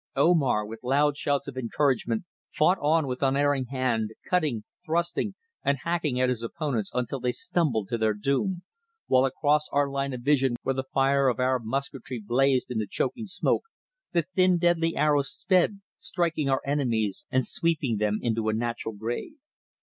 Omar, with loud shouts of encouragement, fought on with unerring hand, cutting, thrusting and hacking at his opponents until they stumbled to their doom, while across our line of vision where the fire of Arab musketry blazed in the choking smoke, the thin deadly arrows sped, striking our enemies and sweeping them into a natural grave.